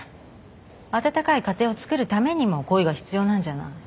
温かい家庭をつくるためにも恋が必要なんじゃない。